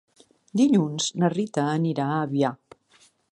Dilluns na Rita anirà a Avià.